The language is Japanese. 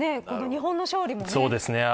日本の勝利もね。